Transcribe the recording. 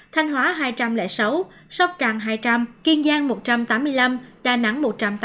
hai trăm một mươi ba thanh hóa hai trăm linh sáu sóc tràng hai trăm linh kiên giang một trăm tám mươi năm đà nẵng